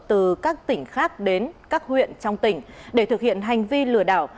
từ các tỉnh khác đến các huyện trong tỉnh để thực hiện hành vi lừa đảo